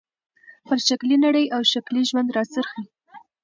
پر ښکلى نړۍ او ښکلي ژوند را څرخي.